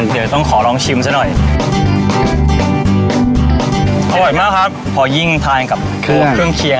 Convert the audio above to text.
เดี๋ยวต้องขอลองชิมซะหน่อยอร่อยมากครับพอยิ่งทานกับพวกเครื่องเคียง